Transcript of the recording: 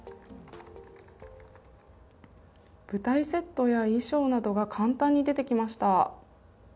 舞台セットや衣装などが簡単に出てきました。